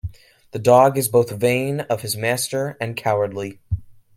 The dog is both vain of his master and cowardly.